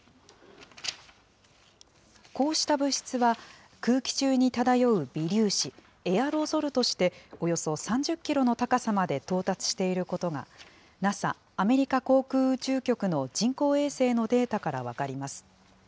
こうした物質は、空気中に漂う微粒子・エアロゾルとしておよそ３０キロの高さまで到達していることが、ＮＡＳＡ・アメリカ航空宇宙局の人工衛星のデータから分かります。